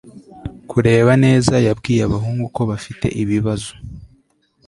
Kureba neza yabwiye abahungu ko bafite ibibazo